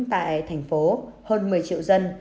tại tp hcm hơn một mươi triệu dân